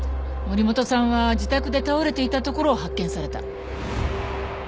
森本さんは自宅で倒れていたところを発見された。